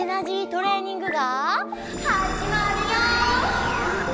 トレーニングがはじまるよ！